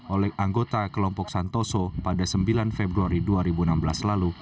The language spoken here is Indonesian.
oleh anggota kelompok santoso pada sembilan februari dua ribu enam belas lalu